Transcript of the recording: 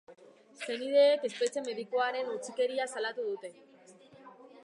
Senideek espetxe medikuaren utzikeria salatu dute.